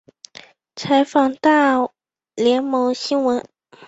采访大联盟新闻。